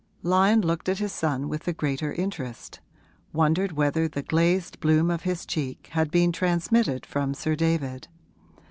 Lyon looked at his son with the greater interest wondered whether the glazed bloom of his cheek had been transmitted from Sir David.